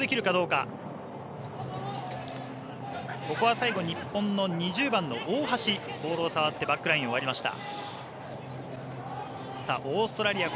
最後、日本２０番の大橋ボールを触ってバックラインを割りました。